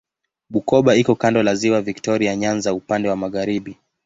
Bukoba iko kando la Ziwa Viktoria Nyanza upande wa magharibi.